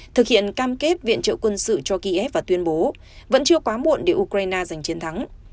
thực hiện cam kết viện trợ quân sự cho kiev và tuyên bố vẫn chưa quá muộn để ukraine giành chiến thắng